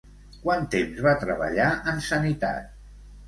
Quant temps va treballar en sanitat?